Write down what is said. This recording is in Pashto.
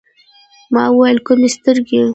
ما ویل: کومي سترګي ؟